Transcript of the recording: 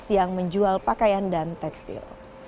yang menjual pakaian dan tekstil